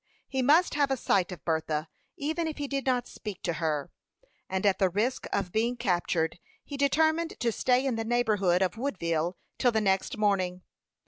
He must have a sight of Bertha, even if he did not speak to her; and at the risk of being captured, he determined to stay in the neighborhood of Woodville till the next morning.